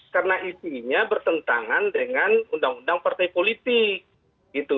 karena isinya bertentangan dengan undang undang partai politik